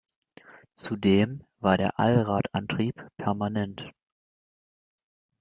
Zudem war der Allradantrieb permanent.